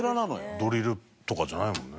ドリルとかじゃないもんね。